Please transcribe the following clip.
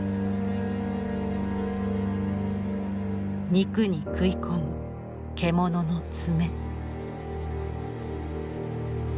肉に食い込む獣の爪。